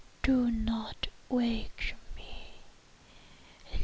Do not wake me!